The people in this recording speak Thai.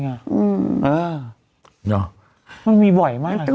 มันติดคุกออกไปออกมาได้สองเดือน